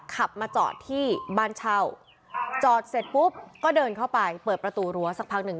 ขับมาจอดที่บ้านเช่าจอดเสร็จปุ๊บก็เดินเข้าไปเปิดประตูรั้วสักพักหนึ่ง